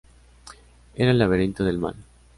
Era El laberinto del mal.